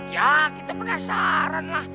ya kita penasaran lah